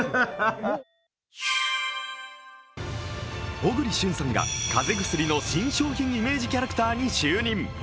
小栗旬さんが風邪薬の新商品イメージキャラクターに就任。